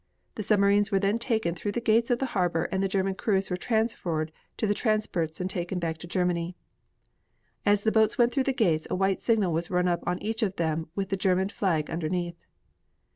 The submarines were then taken through the gates of the harbor and the German crews were transferred to the transports and taken back to Germany. As the boats went through the gates a white signal was run up on each of them with the German flag underneath.